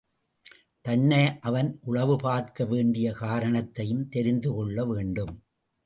தன்னை அவன் உளவு பார்க்க வேண்டிய காரணத்தையும் தெரிந்துகொள்ள வேண்டும்.